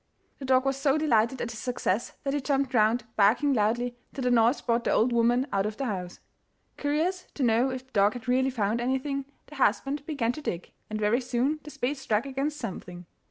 The dog was so delighted at his success that he jumped round, barking loudly, till the noise brought the old woman out of the house. Curious to know if the dog had really found anything, the husband began to dig, and very soon the spade struck against something.